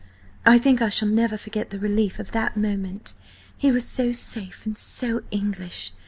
I think I shall never forget the relief of that moment! He was so safe, and so English!